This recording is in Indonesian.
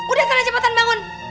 udah sana cepetan bangun